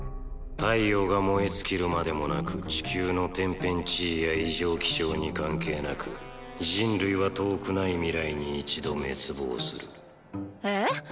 太陽が燃え尽きるまでもなく地球の天変地異や異常気象に関係なく人類は遠くない未来に一度滅亡するえっ？